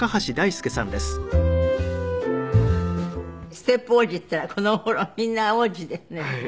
ステップ王子っていったらこの頃みんな王子だってね。